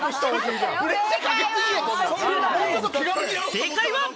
正解は。